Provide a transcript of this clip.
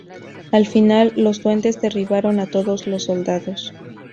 Al final los duendes derribaron a todos los soldados.